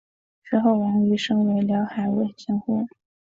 之后王瑜升为辽海卫千户。